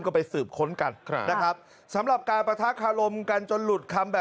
ก็ไปสืบค้นกันนะครับ